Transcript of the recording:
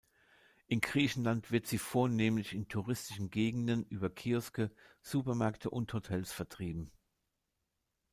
In Griechenland wird sie vornehmlich in touristischen Gegenden über Kioske, Supermärkte und Hotels vertrieben.